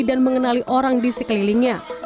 dan mengenali orang di sekelilingnya